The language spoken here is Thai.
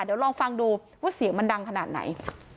เดี๋ยวลองฟังดูว่าเสียงมันดังขนาดไหน